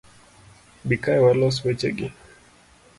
Bi kae walos weche gi